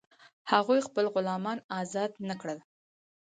هغوی خپل غلامان آزاد نه کړل.